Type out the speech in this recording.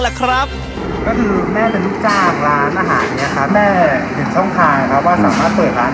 เราเลยคิดว่าจะลงภูมิเปิดเอง